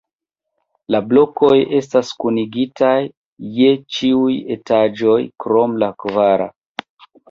La blokoj estas kunigitaj je ĉiuj etaĝoj krom la kvara.